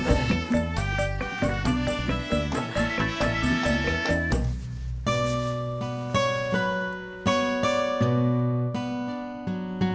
gak ada sih